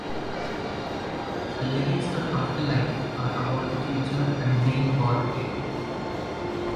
The lyrics for "After Life" are about the future and being born again.